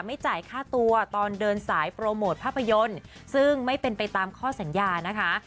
ไม่จ่ายค่าตัวตอนเดินสายโปรโมทภาพยนตร์ซึ่งไม่เป็นไปตามข้อสัญญานะคะ